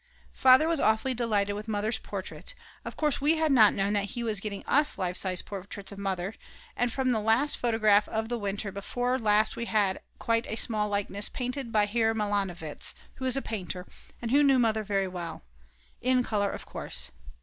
Father was awfully delighted with Mother's portrait; of course we had not known that he was getting us life size portraits of Mother, and from the last photograph of the winter before last we had quite a small likeness painted by Herr Milanowitz, who is a painter, and who knew Mother very well in colour of course.